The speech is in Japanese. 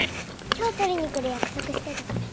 今日取りに来る約束してたから。